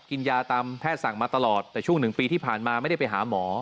กินยาตามแพทย์สั่งมาตลอดแต่ช่วงหนึ่งปีที่ผ่านมาไม่ได้ไปหาหมอ